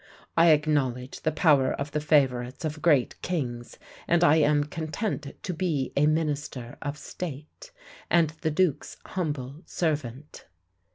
I acknowledge the power of the favourites of great kings, and I am content to be a minister of state, and the duke's humble servant."